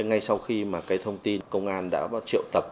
ngay sau khi mà cái thông tin công an đã triệu tập